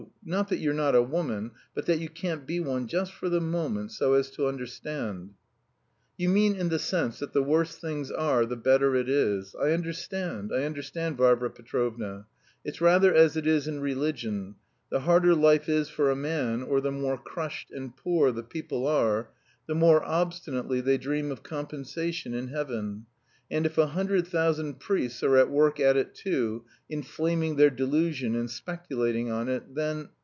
not that you're not a woman, but that you can't be one just for the moment so as to understand." "You mean in the sense that the worse things are the better it is. I understand, I understand, Varvara Petrovna. It's rather as it is in religion; the harder life is for a man or the more crushed and poor the people are, the more obstinately they dream of compensation in heaven; and if a hundred thousand priests are at work at it too, inflaming their delusion, and speculating on it, then...